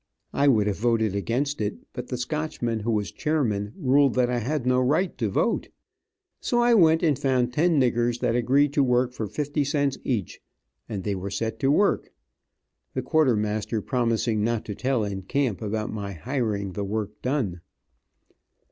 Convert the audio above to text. I would have voted against it, but the Scotchman, who was chairman, ruled that I had no right to vote. So I went and found ten niggers that agreed to work for fifty cents each, and they were set to work, the quartermaster promising not to tell in camp about my hiring the work done.